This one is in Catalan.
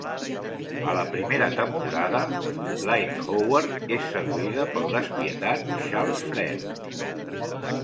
A la primera temporada, Lynne Howard és seduïda pel despietat Charles Frere.